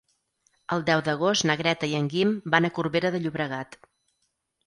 El deu d'agost na Greta i en Guim van a Corbera de Llobregat.